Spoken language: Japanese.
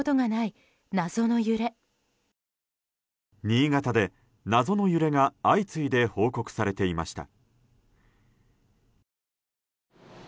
新潟で謎の揺れが相次いで報告されていました。